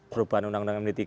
perubahan undang undang md tiga